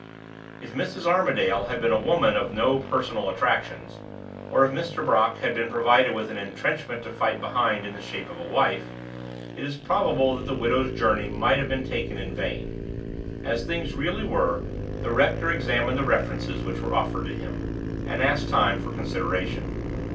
If Mrs. Armadale had been a woman of no personal attractions, or if Mr. Brock had been provided with an intrenchment to fight behind in the shape of a wife, it is probable that the widow's journey might have been taken in vain. As things really were, the rector examined the references which were offered to him, and asked time for consideration.